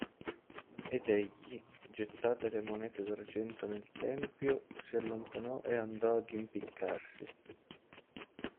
Ed egli, gettate le monete d'argento nel tempio, si allontanò e andò ad impiccarsi.